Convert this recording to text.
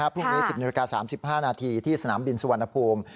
พรุ่งนี้๑๐น๓๕นที่สนามบินสุวรรณภูมิ